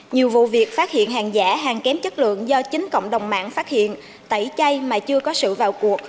nhiều vụ việc phát hiện hàng giả hàng kém chất lượng do chính cộng đồng mạng phát hiện tẩy chay mà chưa có sự vào cuộc